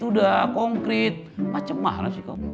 sudah konkret macam mana sih kau